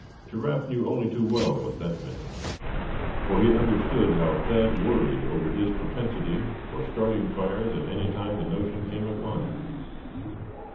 Giraffe knew only too well what that meant, for he understood how Thad worried over his propensity for starting fires at any time the notion came upon him.